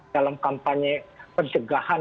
dalam kampanye pencegahan